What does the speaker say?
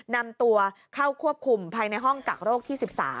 นำตัวเข้าควบคุมภายในห้องกักโรคที่๑๓